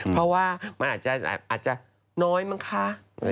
เพราะว่ามันอาจจะน้อยมั้งคะ